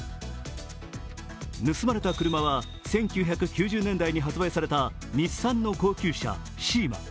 盗まれた車は１９９０年代に発売された日産の高級車・シーマ。